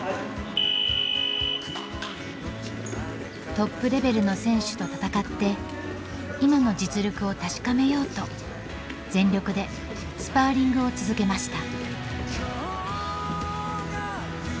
トップレベルの選手と戦って今の実力を確かめようと全力でスパーリングを続けました。